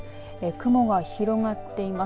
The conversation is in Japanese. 雲は広がっています。